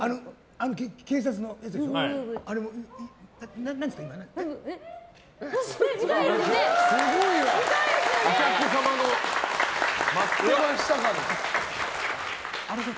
警察のやつでしょ？